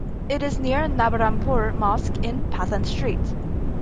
It is near Nabarangpur Mosque in Pathan street.